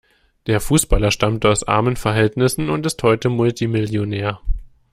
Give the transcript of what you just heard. Der Fußballer stammte aus armen Verhältnissen und ist heute Multimillionär.